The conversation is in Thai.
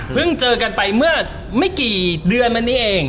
เพิ่งเจอกันไปเมื่อไม่กี่เดือนแบบนี้เอง